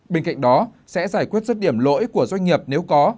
bên cạnh đó sẽ giải quyết rứt điểm lỗi của doanh nghiệp nếu có